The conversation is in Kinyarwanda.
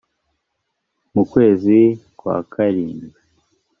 mu kwezi kwa karindwi